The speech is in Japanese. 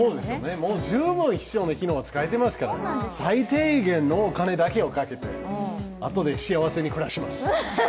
もう十分、必要な機能は使えていますから最低限のお金だけをかけて、あとで幸せに暮らします。